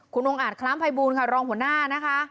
คุณองค์อาจคล้ามภัยบูลค่ะรองหัวหน้านะคะ